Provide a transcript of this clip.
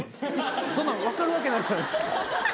そんなん分かるわけないじゃないですか。